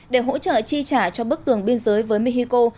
để hỗ trợ chi trả cho bức tường biên giới với mexico